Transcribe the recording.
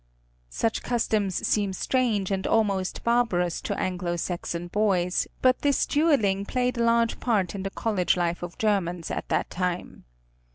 Such customs seem strange and almost barbarous to Anglo Saxon boys, but this dueling played a large part in the college life of Germans at that time.